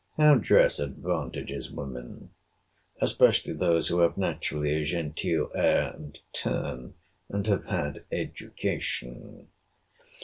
How dress advantages women!—especially those who have naturally a genteel air and turn, and have had education.